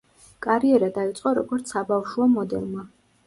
კარიერა დაიწყო როგორც საბავშვო მოდელმა.